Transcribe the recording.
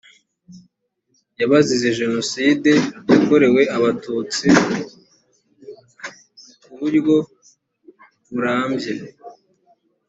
y abazize jenoside yakorewe abatutsi mu ku buryo burambye